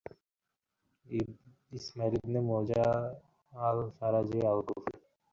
Ismail ibn Musa al-Fazari al-Kufi